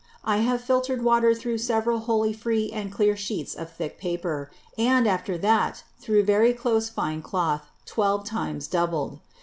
I have filtred Water thorough several wholly free and clear Sheets of thick Paper; and, after that, through very close fine Cloth twelve times doubled.